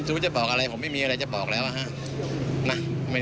จะบอกอะไรผมไม่มีอะไรจะบอกแล้วนะฮะ